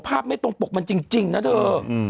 ไม่ตรงปกมันจริงนะเธอ